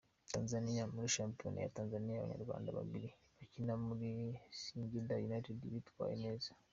Tanzania: Muri shampiyona ya Tanzania Abanyarwanda babiri bakina muri Singinda United bitwaye neza.